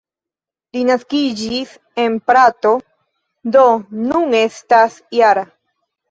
Li naskiĝis en Prato, do nun estas -jara.